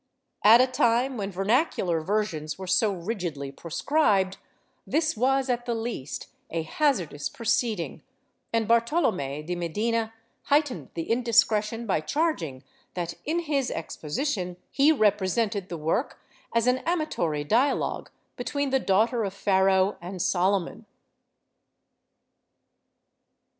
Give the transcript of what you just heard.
At a time when vernacular versions were so rigidly proscribed this was, at the least, a hazardous pro ceeding and Bartolome de Medina heightened the indiscretion by charging that, in his exposition, he represented the work as an amatory dialogue between the daughter of Pharaoh and Solomon.